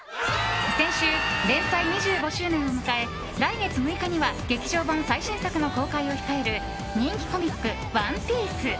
先週、連載２５周年を迎え来月６日には劇場版最新作の公開を控える人気コミック「ＯＮＥＰＩＥＣＥ」。